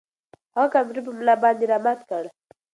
هغه کمپیوټر په ملا باندې را مات کړ.